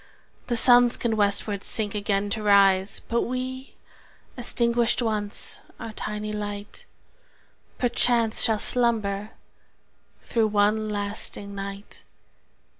The Suns can westward sink again to rise But we, extinguished once our tiny light, 5 Perforce shall slumber through one lasting night!